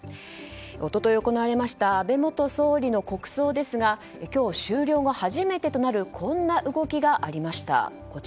一昨日、行われました安倍元総理の国葬ですが今日、終了後初めてとなるこんな動きがありました。